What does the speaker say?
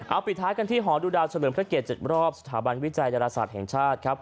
เอาปิดท้ายกันที่หอดูดาวเฉลิมพระเกต๗รอบสถาบันวิจัยดาราศาสตร์แห่งชาติครับ